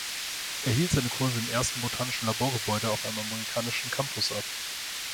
Er hielt seine Kurse im ersten botanischen Laborgebäude auf einem amerikanischen Campus ab.